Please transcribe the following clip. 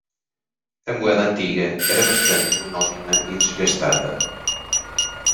A moeda antiga era bastante monótona e desgastada.